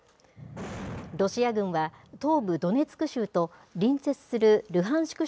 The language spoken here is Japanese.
ロシア軍は東部ドネツク州と隣接するルハンシク